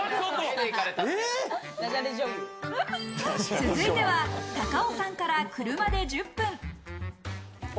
続いては高尾山から車で１０分。